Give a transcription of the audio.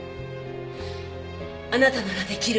あなたなら出来る。